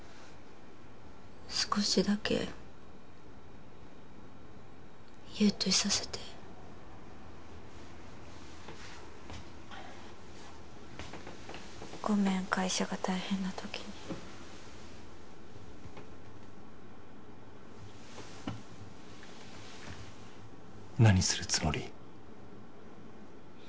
少しだけ優といさせてごめん会社が大変なときに何するつもり？